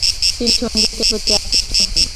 তিনি সঙ্গীতের প্রতি আকৃষ্ট হন।